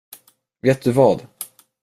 Vet du vad?